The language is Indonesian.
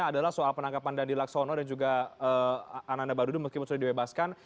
adalah soal penangkapan dandi laksono dan juga ananda badudu meskipun sudah dibebaskan